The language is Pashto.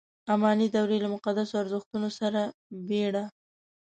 اماني دورې له مقدسو ارزښتونو سره بېړه.